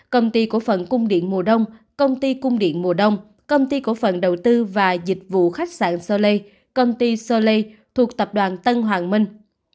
công ty cổ phận cung điện mùa đông công ty cung điện mùa đông công ty cổ phần đầu tư và dịch vụ khách sạn solei công ty solei thuộc tập đoàn tân hoàng minh